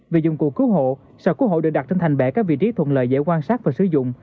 về dụng cụ cứu hộ sở cứu hộ được đặt trên thành bể các vị trí thuận lời dễ quan sát và sử dụng